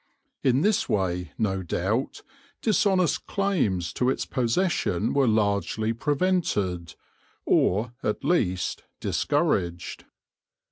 In this way, no doubt, dishonest claims to its possession were largely prevented, or, at least, discouraged.